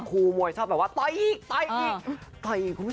คู่มวยชอบต่อยอีก